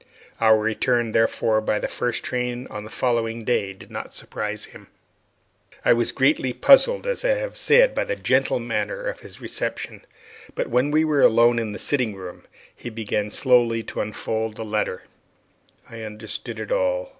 Our return, therefore, by the first train on the following day did not surprise him. I was greatly puzzled, as I have said, by the gentle manner of his reception; but when we were alone together in the sitting room, and he began slowly to unfold the letter, I understood it all.